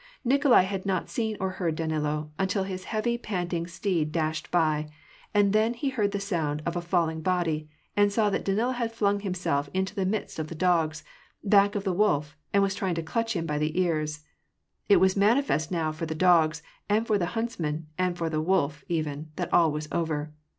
Nikolai had not seen or heard Danilo, until his heavily pant ing steed dashed by ; and then he heard the sound of a falling body, and saw that Danilo had flung himself into the midst of the dogs, back of the wolf, and was trying to clutch him by the ears. It was manifest now for the dogs, and for the hunts men, and for the wolf, even, that all was over.